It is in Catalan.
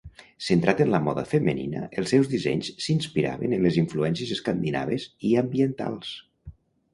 Centrat en la moda femenina, els seus dissenys s'inspiren en les influències escandinaves i ambientals.